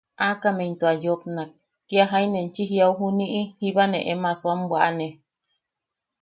Aakame into a yopnak: –Kia jain enchi jiaʼu juniʼi, jiba ne em asoam bwaʼane.